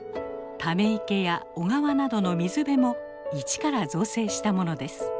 ため池や小川などの水辺もいちから造成したものです。